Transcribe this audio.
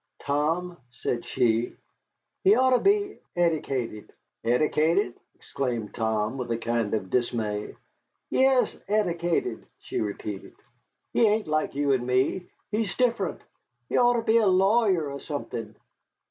"Tom," said she, "he oughter be eddicated." "Eddicated!" exclaimed Tom, with a kind of dismay. "Yes, eddicated," she repeated. "He ain't like you and me. He's different. He oughter be a lawyer, or somethin'."